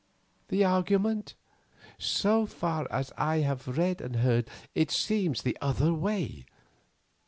The argument? So far as I have read and heard, it seems the other way.